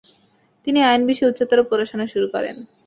তিনি আইন বিষয়ে উচ্চতর পড়াশোনা শুরু করেন।